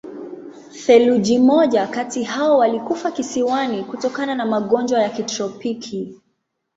Theluji moja kati hao walikufa kisiwani kutokana na magonjwa ya kitropiki.